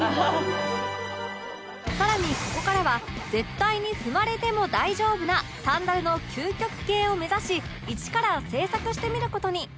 さらにここからは絶対に踏まれても大丈夫なサンダルの究極形を目指し一から製作してみる事に